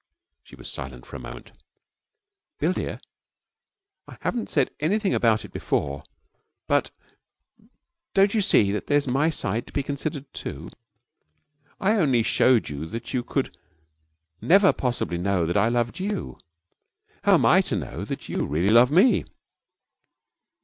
She was silent for a moment. 'Bill, dear, I haven't said anything about it before but don't you see that there's my side to be considered too? I only showed you that you could never possibly know that I loved you. How am I to know that you really love me?'